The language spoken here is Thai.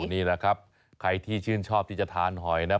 นี่แหละครับใครที่ชื่นชอบที่จะทานหอยนะ